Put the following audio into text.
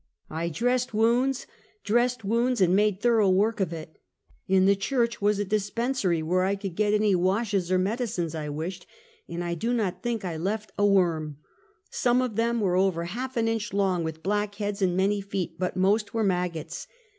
I dressed wounds! dressed wounds, and made thor ough work of it. In the church was a dispensarj^ where I could get any washes or medicines I wished, and I do not think I left a worm. Some of them were over half an inch long, with black heads and many feet, but most were maggots.